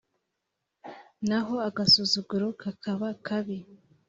naho agasuzuguro kakaba kabi